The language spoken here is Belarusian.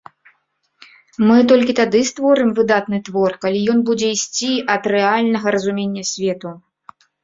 Мы толькі тады створым выдатны твор, калі ён будзе ісці ад рэальнага разумення свету.